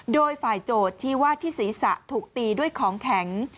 โดยฝ่ายโจทย์ชี้ว่าที่ศีรษะถูกตีด้วยของแข็ง